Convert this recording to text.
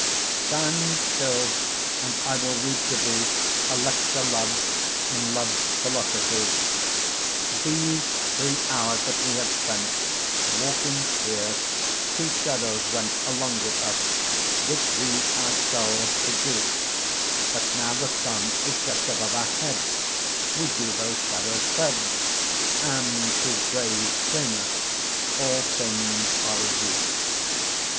_ Stand still, and I will read to thee A Lecture, Love, in loves philosophy. These three houres that we have spent, Walking here, Two shadowes went Along with us, which we our selves produc'd; 5 But, now the Sunne is just above our head, We doe those shadowes tread; And to brave clearnesse all things are reduc'd.